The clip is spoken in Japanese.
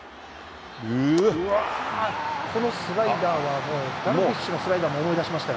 このスライダーはもう、ダルビッシュのスライダーを思い出しましたよ。